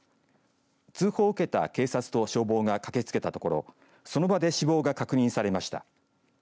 通報を受けた警察と消防が駆けつけたところ、その場で死亡が確認されました。